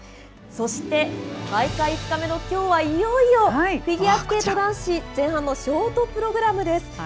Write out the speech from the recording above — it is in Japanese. そして大会５日目のきょうはいよいよ、フィギュアスケート男子、前半のショートプログラムです。